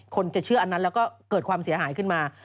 จะเชื่ออันนั้นแล้วก็เกิดความเสียหายขึ้นมา